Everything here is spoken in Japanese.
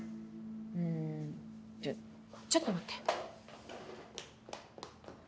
うーんじゃあちょっと待って。